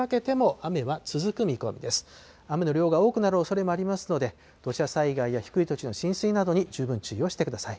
雨の量が多くなる恐れもありますので、土砂災害や低い土地の浸水などに十分注意をしてください。